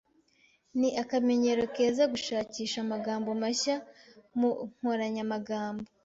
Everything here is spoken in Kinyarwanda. Ni akamenyero keza gushakisha amagambo mashya mu nkoranyamagambo.